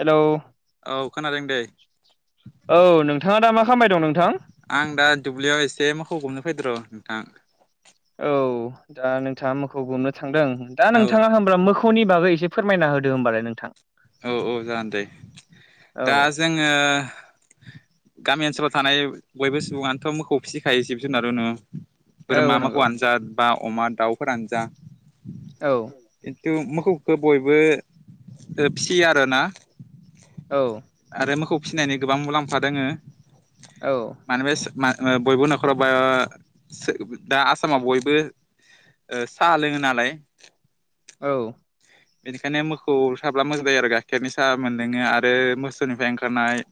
Hello औ खोनादों दे। औ नोंथाङा दा मा खामबाय दं नोंथां? आं दा दुब्लियाव एसे मोखौ गुमनो फैदो र' नोंथां। औ दा नोंथाङा मोखौ गुमनो थांदों दा औ नोंथाङा होनब्ला मो खौनि बागै एसे फोरमायना होदो होमबालाय नोंथां। औ औ जागोन दे दा औ जोङो गामि ओनसोलाव थानाय बयबो सुबुङानोथ' मोखौ फिसिखायो जिब जुनार उनु। बोरमा औ माखौ नंगौ आनो जा बा अमा दाउफोरानो जा। औ खिन्थु मोखौखो बयबो फिसियो आरोना। औ। आरो मोखौ फिसिनायनि गोबां मुलाम्फा दोङो। औ। मानोबा बयबो न'खराव बा दा आसामाव बयबो साहा लोङो नालाय। औ। बेनिखायनो मोसौ थाब्ला मोजां जायो आरो गाइखेरनि साहा मोनलोङो आरो मोसौनिफ्राय ओंखारनाय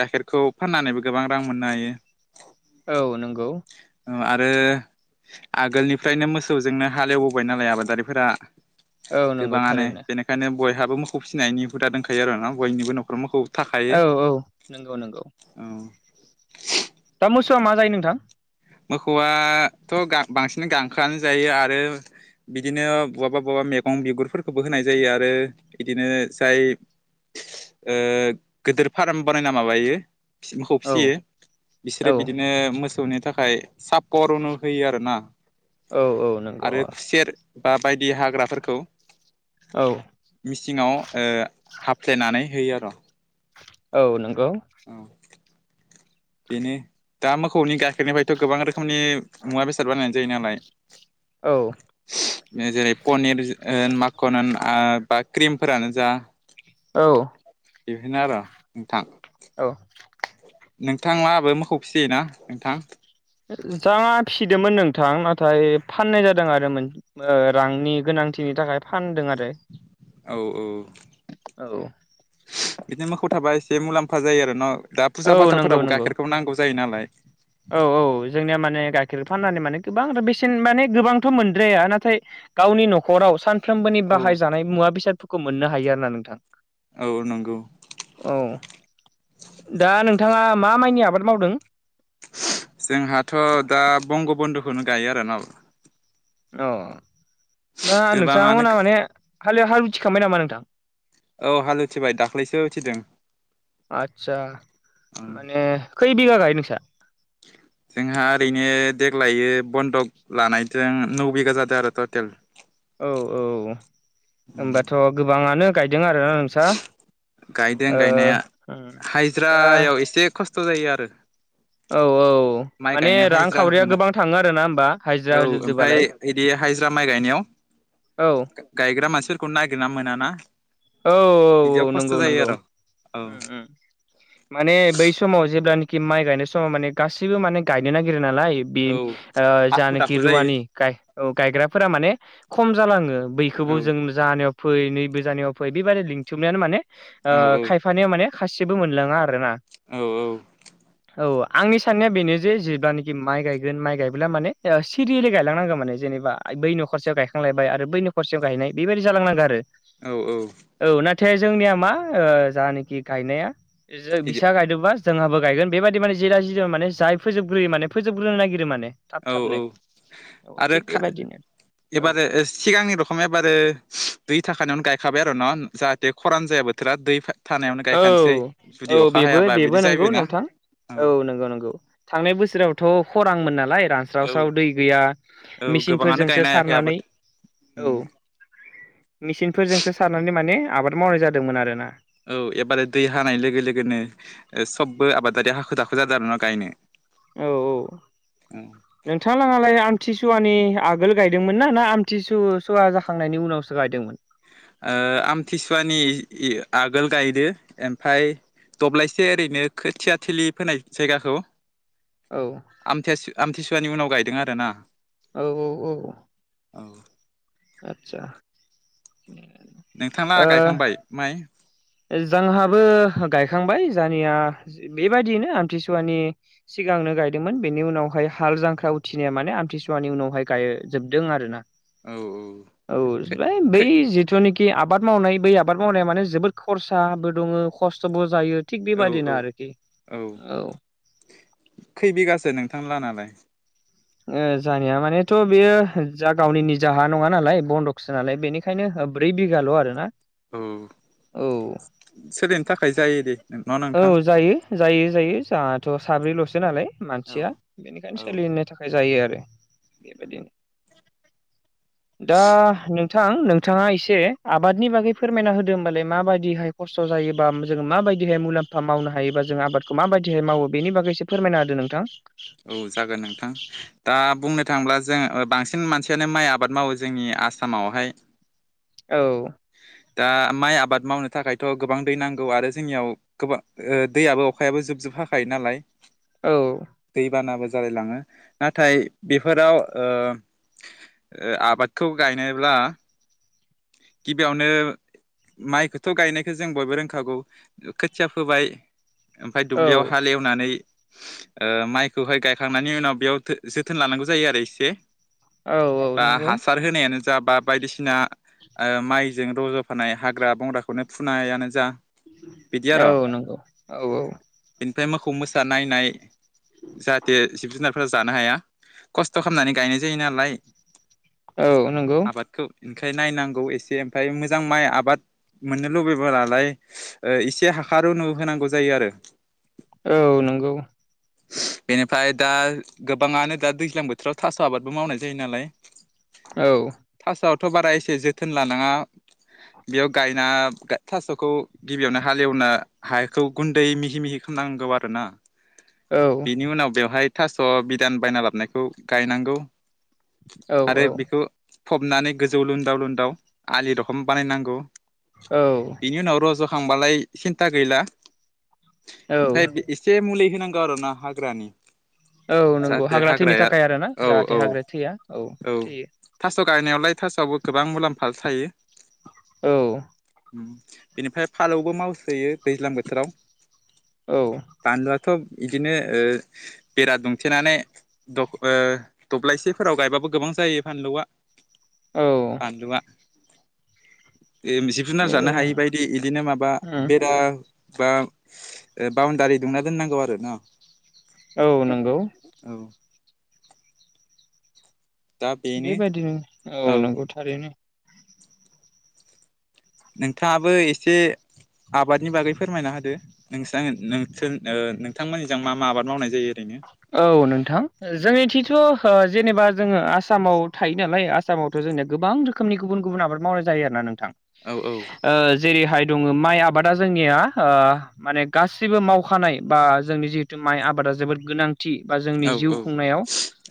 गाइखेरखौ फाननानैबो गोबां रां मोननो हायो। औ नंगौ। आरो आगोलनिफ्रायनो मोसौजोंनो हालेवबोबाय नालाय आबादारिफोरा औ नंगौ गोबाङानो थारैनो बेनिखायनो बयहाबो मोखौ फिसिनायनि हुदा दंखायो आरो ना बयनिबो न'खराव मोखौ औ औ नंगौ नंगौ। औ। दा मोसौआ मा जायो नोंथां मोसौआथ' बांसिन गांखोआनो जायो आरो बिदिनो बुवाबा बुवाबा मेगं बिगुरफोरखौबो होनाय जायो आरो बिदिनो जाय गोदोर फार्म बानायना माबायो मोखौ औ फिसियो बिसोरो औ बिदिनो मोसौनि था थाखाय सापर रुनो होयो आरो ना औ औ नंगौ आरो औ खुसेर बा बायदि हाग्राफोरखौ मिसिङाव हफ्लेयनानै होयो आरो औ नंगौ बिनि दा मोसौनि गाइखेरनिफ्रायथ' गोबां रोखोमनि मुवा बेसाद बानायनाय जायो नालाय औ बे जेरै पनिर माखन होन आ बा क्रिमफोरानो जा औ बेफोरनो आर नोंथां औ नोंथांलाहाबो मोखौ फिसियोना नोंथां जा फिसिदोंमोन नोंथां नाथाय फाननाय जादों आरो मोन रांनि गोनांथिनि थाखाय फानदों आरो औ-औ औ बिदिनो मोसौ थाबा एसे मुलाम्फा जायो आरो न' दा औ फुजा फाथालफोरावबो गाइखेरखौबो नांगौ जायो नालाय औ-औ जोंनिया माने गाइखेर फाननानै माने गोबां बेसेन माने गोबांथ' मोनद्राया नाथाय गावनि न'खराव सानफ्रोमबोनि औ बाहायजानाय मुवा बेसादफोरखौ मोननो हायो आरोना नोंथां औ नंगौ औ दा नोंथाङा मा माइनि आबाद मावदों जोंहाथ' दा बंग बन्दखौनो गायो आरोना अ दा गोबाङानो नोंथांमोनहा माने हाले हाल उथिखांबाय नामा नोंथां औ हाल उथिबाय दाख्लैसो उथिदों आदसा माने खैबिगा गायो नोंस्रा जोंहा ओरैनो देग्लाय बन्दक लानायजों नौ बिघा जादों आरो टटेल औ-औ होमबाथ' गोबाङानो गायदों आरो नोंस्रा गायदों ओ गायनाया ओम दा हाजिरायाव एसे खस खस्थ' जायो आरो औ-औ माइ माने गायनो हाजिरा रांखावरिया मोना गोबां थांङो आरो ना होमबा औ हाजिरा ओमफ्राय होजोबदोबालाय बिदि हाजिरा माइ गायनायाव औ गायग्रा मानसिफोरखौ नागिरना मोना ना औ बिदियाव औ खस्थ' नंगौ जायो नंगौ आरो औ उम उम माने बै समाव जेब्लानाखि माइ गायनाय समाव माने गासैबो माने गायनो नागिरो नालाय बे औ हाखु जानाखि दाखु जायो रुवानि गायग्राफोरा माने खम जालाङो बैखौबो औ जों जानायाव फै नैबोे जानायाव फै बेबादि लिंथुमनायानो माने औ खायफानायाव माने खासेबो मोनलांङा आरो ना औ-औ औ आंनि साननाया बेनो जे जेब्लानाखि माइ गायगोन माइ गायब्ला माने सिरियिलि गायलांनांगौ माने जेनेबा बै न'खरसेयाव गायखांलायबाय आरो बै न'खरसेयाव गायनाय बेबायदि जालांनांगौ आरो औ-औ औ नाथाय जोंनिया मा जानाखि गायनाया बिदि बिसा गायदोंबा जोंहाबो गायगोन बेबायदि माने जेरा जिदि माने जाय फोजग्रोयो माने फोजोबग्रोनो नागिरो माने थाब थाबनो औ-औ औ आरो थिग बेबायदिनो औ एबारे सिगांनि रख एखम एबारो दै थाखानायावनो गायखाबाय आरो न' जाहाथे खरान जाया बोथोरा दै थानायावनो गायखानोसै औ औ जुदि अखा बेबो हायाबा बिदि बेबो नंगौ जाहैबायना नोंथां औ नंगौ नंगौ थांनाय बोसोरावथ' खरांमोन नालाय रा स्राव औ स्राव दै गैया औ गोबाङानो गायनो मेचिनफोरजोंसो हायाखै आबाद सारनानै उम औ मेसिनफोरजोंसो सारनानै माने आबाद मावनाय जादोंमोन आरोना औ एबार दै हानाय लोगो लोगोनो सबबो आबादारिया हाखो दाखो जादों आरो ना गायनो औ-औ उम नोंथां लाहालाय आमथिसुवानि आगोल गायदोंमोन ना ना आमथि सु सुवा जाखांनायनि उनावसो गायदोंमोन आमथिसुवानि आगोल गायदो ओमफाय दब्लायसे ओरैनो खोथिया थिलि फोनाय जायगाखौ औ आमथिया आमथिसुवानि उनाव गायदों आरो ना औ-औ औ आतसा नोंथालाहा गायखांबाय माइ जोंहाबो गायखांबाय जोंहानिया बेबायदियैनो आमथिसुवानि सिगांनो गायदोंमोन बेनि उनावहाय हाल जांख्रा उथिनाया माने आमथिसुवानि उनावहाय गायजोबदों आरोना औ-औ औ बै जिथुनाखि आबाद मावनाय बै आबाद मावनाया माने जोबोद खरसाबो दङो खस्थ'बो जायो थिग औ औ बेबायदिनो आरोखि औ खै बिगासो नोंथां लाहानालाय जोहानिया मानेथ' बेयो जा गावनि निजा हा नङा नालाय बन्दकसो नालाय बेनि खायनो ब्रै बिगाल' आरो ना औ सोलिनो थाखाय जायो दे न' औ नोंथां जायो जायो जायो जोंहाथ' साब्रैल'सो नालाय औ मानसिया बेनिखायनो औ सोलिनो थाखा य जायो आरो बेबायदिनो दा नोंथां नोंथाङा एसे आबादनि बागै फोरमायना होदो होमबालाय माबायदिहाय खस्थ' जायोबा जों माबायदि हाय मुलाम्फा मावनो हायोबा जोङो आबादखौ माबायदिहाय मावो बेनि बागैसो फोरमायना होदो नोंथां औ जागोन नोंथां दा बुंनो थाङोब्ला जों बांसिन मानसियानो माइ आबाद मावो जोंनि आसामावहाय औ दा माइ आबाद मावनो थाखायथ' गोबां दै नांगौ आरो जोंनियाव गोबां दैयाबो अखायाबो जुब जुब हाखायो नालाय औ दैबानाबो जालायलाङो नाथाय बेफोराव आबादखौ गायनोब्ला गिबियावनो माइखौथ' गायनायखौ जों बयबो रोंखागौ खोथिया फोबाय ओमफ्राय औ दुब्लियाव हाल एवनानै माइखौहाय गायखांनायनि उनाव बेयाव जोथोन लानांगौ जायो आरो एसे औ औ नंगौ हासार होनायानो जा बा बायदिसिना माइजों रज'फानाय हाग्रा बंग्राखौनो फुनायानो जा बिदि आर' औ नंगौ औ-औ बेनिफ्राय मोसौ मोसा नायनाय जाहाथे जिब जुनारफोरा जानो हाया खस्थ' खालामनानै गायनाय जायो नालाय औ नंगौ आबादखौ बेनिखायनो नायनांगौ एसे ओमफ्राय मोजां माइ आबाद मोननो लुबैबालाय इसे हाखार अनु होनांगौ जायो आरो औ नंगौ बेनिफ्राय दा गोबाङानो दा दैज्लां बोथोराव थास' आबादबो मावनाय जायो नालाय औ थास'आवथ' बारा एसे जोथोन लानाङा बेयाव गायना थास'खौ गिबियावनो हाले एवनो हाखौ गुन्दै मिहि मिहि खालामनांगौ आरो ना बिनि उनाव बेवहाय थास' बिदान बायना लाबोनायखौ गायनांगौ औ आरो बेखौ फबनानै गोजौ लुनदाव लुनदाव आलि रखम बानायनांगौ बिनि उनाव रज'खांबालाय सिन्था गैला औ ओमफ्राय एसे मुलि होनांगौ आरो ना हाग्रानि औ नंगौ जाहाथे हाग्रा थैनो हाग्राया थाखाय आरो ना औ औ जाहाथे हाग्रााया थैया औ थैयो थास' गायनायावलाय थास'आवबो गोबां मुलाम्फा थायो औ बिनिफ्राय फालौबो मावसोयो दैज्लां बोथोराव औ बानलुआथ' बिदिनो बेरा दुंथेनानै दब्लायसेफोराव गायबाबो गोबां जायो फानलुआ औ बानलुआ [unintelligible] जुनार जानो हायि बायदि बिदिनो माबा बेरा बा बाउणडारि दुंना दोननांगौ आरोना न औ नंगौ औ दा बेनो बेबायदिनो औ नंगौ थारैनो नोंथांङाबो एसे आबादनि बागै फोरमायना होदो नोंसा नोंथोर नोंथांमोननिजों मा मा आबाद मावनाय जायो ओरैनो औ नोंथां जोंनिथिथ' जेनेबा जोंङो आसामाव थायो नालाय आसामावथ' जोंनि गोबां रोखोमनि गुबुन गुबुन आबाद मावनाय जायो आरो ना नोंथां औ-औ जेरैहाय दङ माइ आबादा जोंनिया माने गासिबो मावखानाय बा जोंनि जिहेथु माइ आबादा जोबोद गोनां बा जोंनि औ जिउ खुंनायाव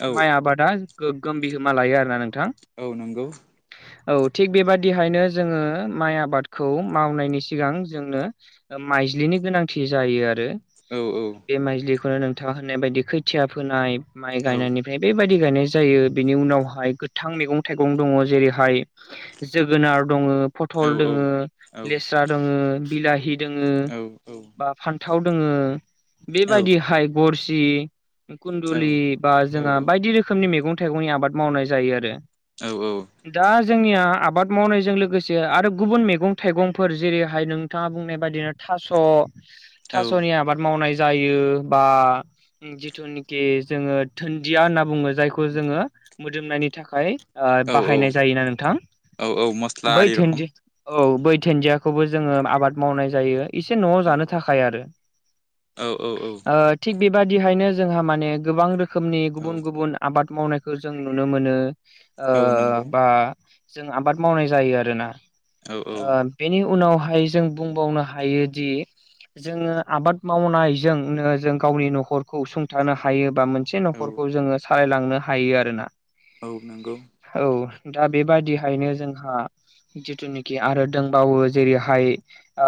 औ माइ आबादा गोगोम बिहोमा लायो आरोना नोंथां औ नंगौ [inaudible] औ थिग बेबादिहायनो जोंङो माइ आबादखौ मावनायनि सिगां जोंनो माइज्लिनि गोनांथि जायो आरो औ-औ बे माइजलिखौनो नोंथांङा होननाय बायदि खैथिया फोनाय माइ औ गायनायनि ओमफ्राय बेबायदि गायनाय जायो बिनि उनावहाय गोथां मैगं थाइगं दंङो जेरैहाय जोगोनार दङो फथल औ दङो औ लेस्रा दङो बिलाहि दङो औ बा फान्थाव दोङो बेबायदिहाय गरसि औ खुन्दुलि बा औ जोंहा औ बायदि रोखोमनि मैगं थाइगंनि आबाद मावनाय जायो आरो औ-औ दा जोंनिया आबाद मावनायजों लोगोसे आरो गुबुन मैगं थाइगंफोर जेरैहाय नों थाङा बुंनाय बादिनो थास' थास'नि आबाद मावनाय जायो बा जिथुनाखि जोंङो दुन्दिया होनना बुंङो जायखौ जोंङो मोदोमनायनि थाखाय औ औ बाहायनाय जायोना नोंथां औ औ मस्ला बै आरि रखम धोनदि औ बै धोनदियाखौबो जोंङो आबाद मावनाय जायो इसे न'आव औ जानो थाखाय आरो औ औ औ थिग बेबादिहायनो जोंहा माने गोबां रोखोमनि औ गुबुन गुबुन आबाद मावनायखौ जों नुनो मोनो ओ औ नंगौ बा जों आबाद मावनाय जायो आरोना औ औ ओ बेनि उनावहाय जों बुंबावनो हायोदि जोंङो आबाद मावनायजोंनो जों गावनि न'खर खौ सुंथानो हायो बा मोनसे औ न'खरखौ जोंङो सालायलांनो हायो आरोना। औ नंगौ। औ दा बेबादिहायनो जोंहा जिथुनाखि आरो दंबावो जेरैहाय ओ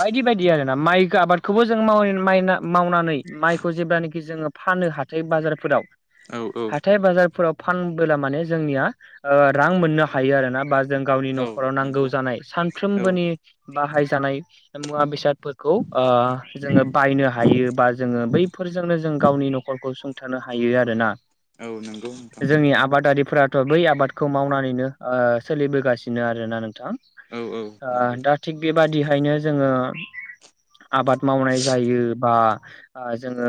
बायदि बायदि आरोना माइ आबादखौबो जों माव मायना-मावनानै माइखौ जेब्लानाखि जोंङो फानो हाथाय बाजारफोराव औ औ हाथाय बाजारफोराव फानबोला माने जोंनिया ओ रां मोननो हायो आरोना बा जों गावनि औ न'खराव नांगौ नंगौ जानाय औ सानफ्रोमबोनि बाहायजानाय मुवा-बेसादफोरखौ ओ जोङो बायनो हायो बा जोङो बैफोरजोंनो जों गावनि न'खरखौ सुंथानो हायो आरोना औ नंगौ नोंथां जो जोंनि आबादारिफोराथ' बै आबादखौ मावनानैनो ओ सोलिबोगासिनो आरोना नोंथां। औ औ। ओ नंगौ दा थिग बेबादिहायनो जोङो आबाद मावनाय जायो बा ओ जोङो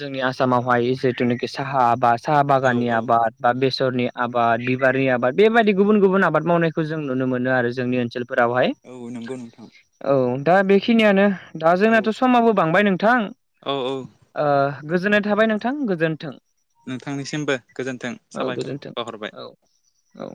जोंनि आसामावहाय जितुनोखि साहा आबाद साहा औ बागाननि औ आबाद। बा बेसरनि आबाद बिबारि आबाद बेबायदि गुबुन गुबुन आबाद मावनायखौ जों नुनो मोनो आरो जोंनि ओनसोलफोरावहाय। औ नंगौ नोंथां। औ दा बेखिनियानो दा औ जोंनाथ' समाबो बांबाय नोंथां। औ औ। ओ गोजोननाय थाबाय नोंथां। गोजोन्थों। नोंथांनिसिमबो गोजोन्थों औ साबायख'र गोजोन्थों बावहरबाय। औ औ।